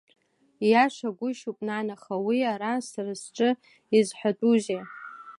Ииашагәышьоуп, нан, аха уи ара сара сҿы изҳәатәузеи?